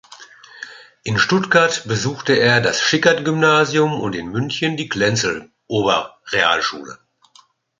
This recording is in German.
In Stuttgart besuchte er das Schickhardt-Gymnasium und in München die Klenze-Oberrealschule.